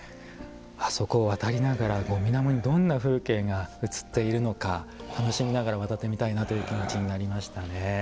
あそこを渡りながらみなもにどんな風景が映っているのか楽しみながら渡ってみたいなという気持ちになりましたね。